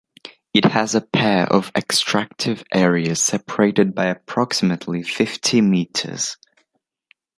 It has a pair of extractive areas separated by approximately fifty meters.